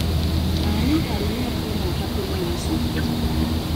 Ani alina akuuma akapima omusujja?